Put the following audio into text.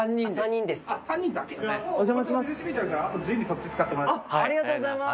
先ほど。ありがとうございます。